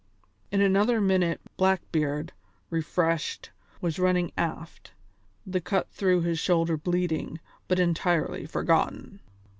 In another minute Blackbeard, refreshed, was running aft, the cut through his shoulder bleeding, but entirely forgotten.